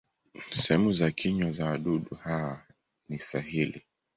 Sehemu za kinywa za wadudu hawa ni sahili.